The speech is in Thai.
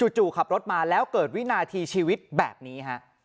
จู่ขับรถมาแล้วเกิดวินาทีชีวิตแบบนี้ฮะ